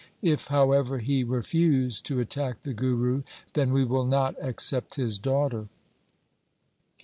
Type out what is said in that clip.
If, however, he refuse to attack the Guru, then we will not accept his daughter.'